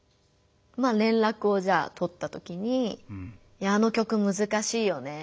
まあ連絡をじゃあ取ったときに「あの曲むずかしいよね。